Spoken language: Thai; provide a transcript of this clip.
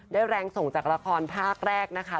แรงส่งจากละครภาคแรกนะคะ